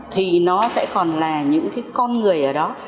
thì nó sẽ còn là những cái con người ở đó